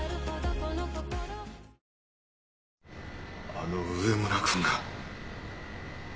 あの上村君が。